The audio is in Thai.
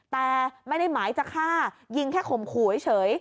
แต่ไม่ได้หมายจะฆ่ายิงแค่ข่มขู่เฉย